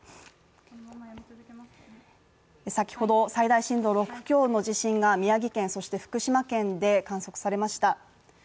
先ほど最大震度６強の地震が宮城県、そして福島県で観測されました。